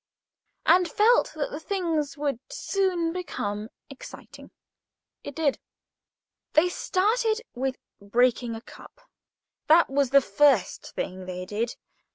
and felt that the thing would soon become exciting. It did. They started with breaking a cup. That was the first thing they did.